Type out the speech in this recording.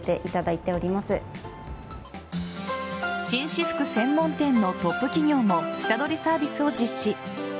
紳士服専門店のトップ企業も下取りサービスを実施。